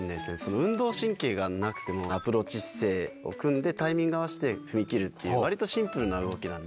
運動神経がなくても、アプローチ姿勢を組んで、タイミング合わせて踏み切るっていう、わりとシンプルな動きなんで。